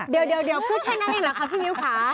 เดี๋ยวพูดให้นั่นอีกหรือครับพี่มิ้วคะ